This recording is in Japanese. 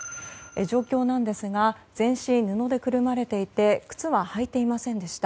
状況ですが全身、布でくるまれていて靴は履いていませんでした。